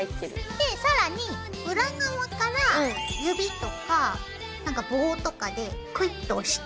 でさらに裏側から指とかなんか棒とかでクイッと押して。